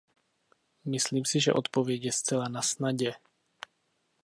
Myslím si, že odpověď je zcela nasnadě.